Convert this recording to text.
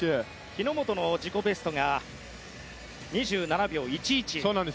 日本の自己ベストが２７秒１１。